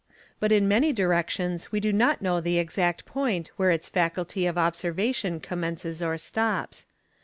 But in many directions we do not know the exact point where its faculty of observation commences or stops.